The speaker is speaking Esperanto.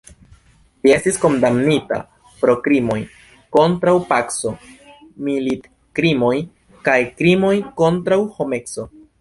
Li estis kondamnita pro krimoj kontraŭ paco, militkrimoj kaj krimoj kontraŭ homeco.